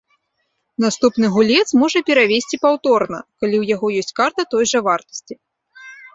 Наступны гулец можа перавесці паўторна, калі ў яго ёсць карта той жа вартасці.